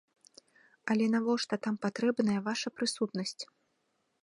Але навошта там патрэбная ваша прысутнасць?